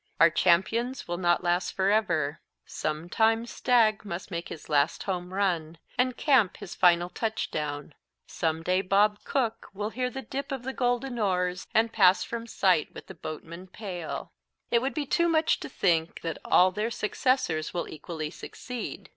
Our champions will not last forever. Some time Stagg must make his last home run, and Camp his final touchdown. Some day Bob Cook will 'hear the dip of the golden oars' and 'pass from sight with the boatman pale.' "It would be too much to think that all their successors will equally succeed.